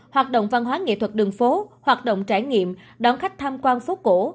hoạt động văn hóa nghệ thuật đường phố hoạt động trải nghiệm đón khách tham quan phố cổ